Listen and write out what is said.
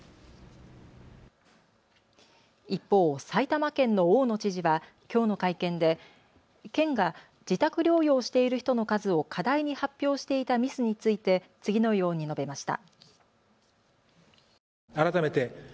一方、埼玉県の大野知事はきょうの会見で県が自宅療養している人の数を過大に発表していたミスについて次のように述べました。